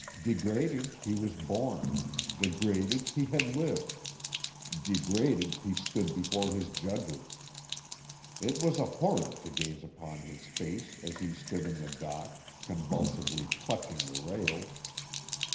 Degraded he was born, degraded he had lived, degraded he stood before his judges. It was a horror to gaze upon his face as he stood in the dock, convulsively clutching the rails.